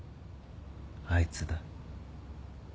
あいつだ。